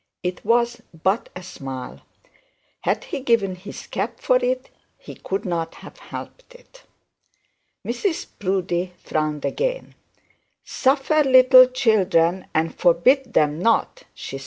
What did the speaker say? It was but a smile. Had he given his cap for it he could not have helped it. Mrs Proudie frowned again. '"Suffer little children, and forbid them not,"' said she.